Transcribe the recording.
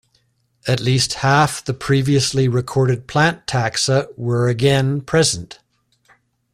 At least half the previously recorded plant taxa were again present.